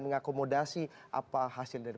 mengakomodasi apa hasil dari